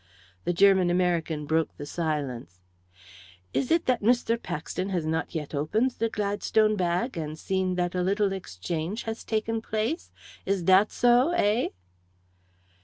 The German American broke the silence. "It is that Mr. Paxton has not yet opened the Gladstone bag, and seen that a little exchange has taken place is that so, eh?"